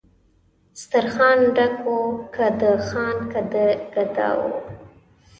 سترخان ډک و که د خان که د ګدا وو